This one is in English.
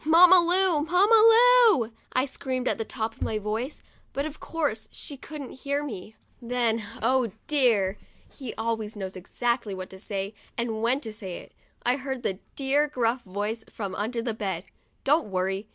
Mamma Lu ! Mamma Lu !' I screamed at the top of my voice, but of course she couldn't hear me. 69 THE DIARY OF A BIRTHDAY DOLL Then, oh dear ! (he always knows exactly what to say and when to say it) I heard that dear gruff voice from under the bed, "Don't worry!